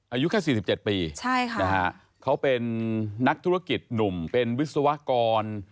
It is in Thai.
อายุแค่๔๗ปีเขาเป็นนักธุรกิจหนุ่มเป็นวิศวกร